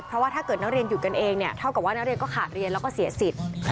เพราะว่าถ้าเกิดนักเรียนหยุดกันเองเนี่ยเท่ากับว่านักเรียนก็ขาดเรียนแล้วก็เสียสิทธิ์